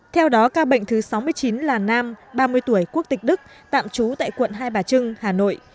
theo đó ca bệnh thứ sáu mươi chín là nam ba mươi tuổi quốc tịch đức tạm trú tại quận hai bà trưng hà nội